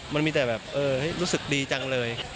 มันมีแต่แบบรู้สึกดีจังเลย